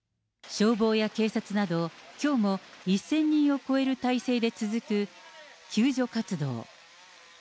消防や警察など、きょうも１０００人を超える態勢で続く救助活動。